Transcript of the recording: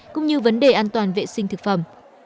cũng như vấn đề an toàn vệ sinh thực phẩm